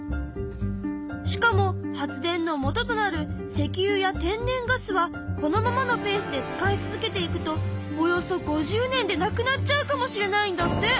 しかも発電のもととなる石油や天然ガスはこのままのペースで使い続けていくとおよそ５０年で無くなっちゃうかもしれないんだって。